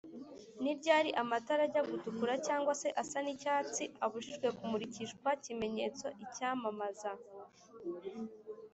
Niryari amatara ajya gutukura cg se asa ni icyatsi abujijwe ku murikishwa kimenyetso icyamamaza